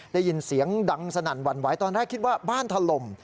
ได้ยินเสียงดังสนั่นหวั่นไหวตอนแรกคิดว่าบ้านถล่ม